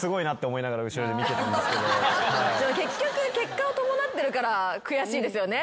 結局結果を伴ってるから悔しいですよね。